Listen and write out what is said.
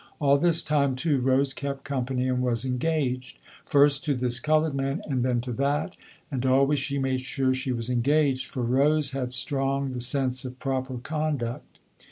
All this time, too, Rose kept company, and was engaged, first to this colored man and then to that, and always she made sure she was engaged, for Rose had strong the sense of proper conduct.